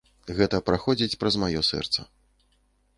Гэта праходзіць праз маё сэрца.